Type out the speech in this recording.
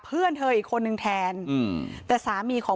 พนักงานในร้าน